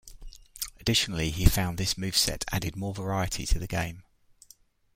Additionally, he found this moveset added more variety to the game.